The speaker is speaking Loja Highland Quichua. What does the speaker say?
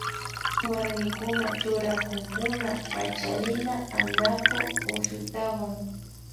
Warmikuna churakunkuna yaa Pachalina, Anaku, Ushutawan.